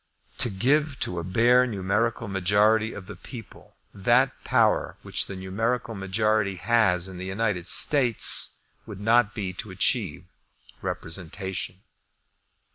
To give to a bare numerical majority of the people that power which the numerical majority has in the United States, would not be to achieve representation.